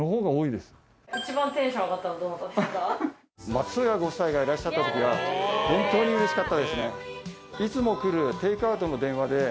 松任谷ご夫妻がいらっしゃった時は本当に嬉しかったですね。